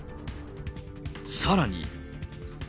さらに。